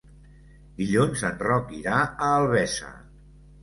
Dilluns en Roc irà a Albesa.